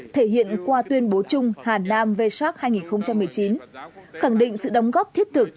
thể hiện qua tuyên bố chung hà nam varc hai nghìn một mươi chín khẳng định sự đóng góp thiết thực